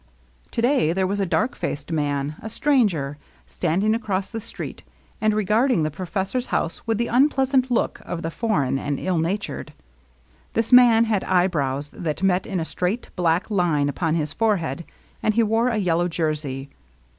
To day there was a dark faced man, a stranger, standing across the street, and regarding the pro fessor's house with the unpleasant look of the for eign and ill natured. This man had eyebrows that met in a straight, black line upon his forehead, and he wore a yellow jersey.